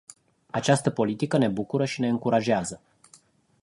Această politică ne bucură și ne încurajează.